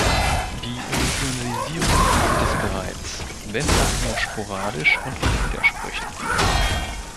Die Regionalisierung gibt es bereits, wenn auch nur sporadisch und mit Widersprüchen.